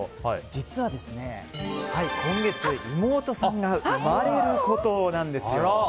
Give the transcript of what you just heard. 実は、今月妹さんが生まれることなんです。